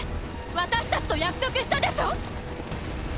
私たちと約束したでしょ？